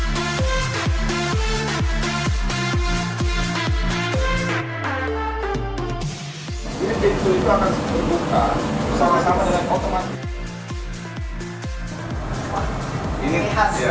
ini saya rasa pertama kalinya